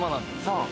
そう。